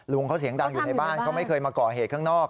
ลุงเขาเสียงดังอยู่ในบ้านเขาไม่เคยมาก่อเหตุข้างนอก